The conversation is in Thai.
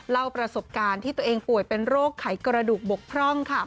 เล่าประสบการณ์ที่ตัวเองป่วยเป็นโรคไขกระดูกบกพร่อง